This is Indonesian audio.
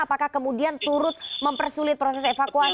apakah kemudian turut mempersulit proses evakuasi